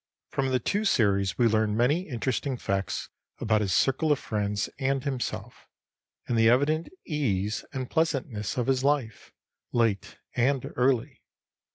From the two series we learn many interesting facts about his circle of friends and himself, and the evident ease and pleasantness of his life, late and early.